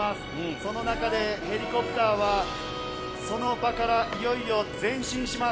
その中でヘリコプターはその場からいよいよ前進します。